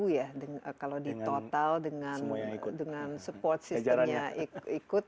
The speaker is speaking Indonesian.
tiga ya kalau ditotal dengan support systemnya ikut